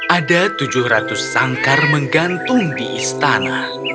ada tujuh ratus sangkar menggantung di istana